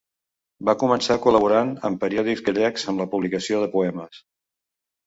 Va començar col·laborant en periòdics gallecs amb la publicació de poemes.